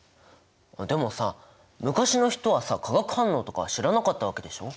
でもさ昔の人はさ化学反応とか知らなかったわけでしょ。